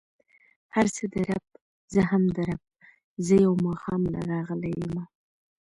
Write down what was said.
هر څه د رب، زه هم د رب، زه يو ماښام له راغلی يم.